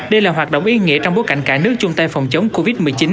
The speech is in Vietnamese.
đây là hoạt động ý nghĩa trong bối cảnh cả nước chung tay phòng chống covid một mươi chín